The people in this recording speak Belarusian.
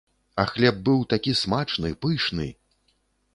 А хлеб быў такі смачны, пышны!